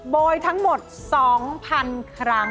โดยทั้งหมด๒๐๐๐ครั้ง